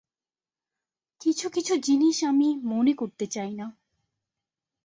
কিছু-কিছু জিনিস আমি মনে করতে চাই না।